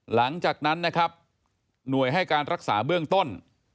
หลังจากนั้นนะครับหน่วยให้การรักษาเบื้องต้น